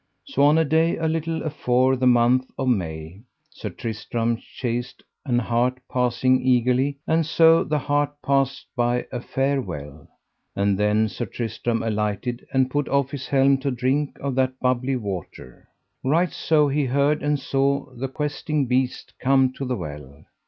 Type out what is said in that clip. So on a day a little afore the month of May, Sir Tristram chased an hart passing eagerly, and so the hart passed by a fair well. And then Sir Tristram alighted and put off his helm to drink of that bubbly water. Right so he heard and saw the Questing Beast come to the well.